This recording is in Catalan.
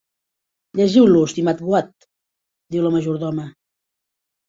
"Llegiu-lo, estimat Watt", diu la majordoma.